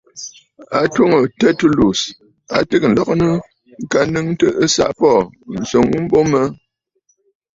A twoŋə̀ Tertullus, a tɨgə̀ ǹlɔgɨnə ŋka nnɨŋtə ɨsaʼa Paul, ǹswoŋə ghu mbo mə.